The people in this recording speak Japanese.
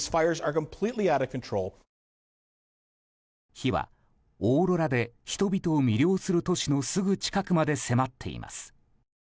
火は、オーロラで人々を魅了する都市のすぐ近くまで迫っています。